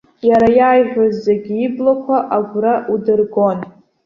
Иара иааиҳәоз зегьы иблақәа агәра удыргон.